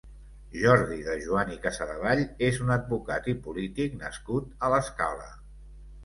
Jordi de Juan i Casadevall és un advocat i polític nascut a l'Escala.